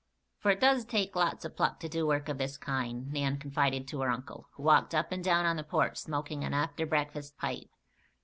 "For it does take lots of pluck to do work of this kind," Nan confided to her uncle, who walked up and down on the porch smoking an after breakfast pipe.